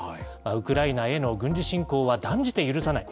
ウクライナへの軍事侵攻は断じて許さない。